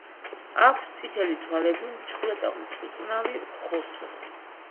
აქვს წითელი თვალები, მჩხვლეტავ-მწუწნავი ხორთუმი.